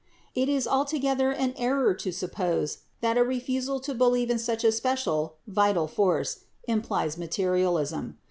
It is altogether an error to suppose that a refusal to believe in such a special 'vital force' implies materialism.